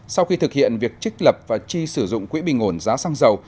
sau khi thực hiện việc trích lập và chi sử dụng quỹ bình ổn giá xăng dầu